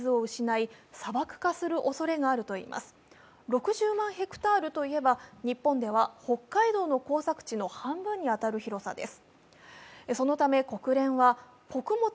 ６０万ヘクタールといえば、日本では北海道の耕作地の半分に当たる広さです。